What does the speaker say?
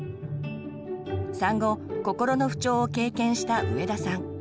産後心の不調を経験した上田さん。